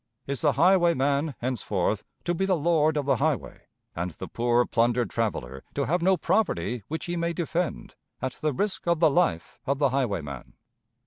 Is the highwayman, henceforth, to be the lord of the highway, and the poor, plundered traveler to have no property which he may defend at the risk of the life of the highwayman?